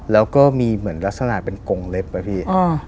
แล้วก็มีเหมือนลักษณะเป็นกงเล็บอะพี่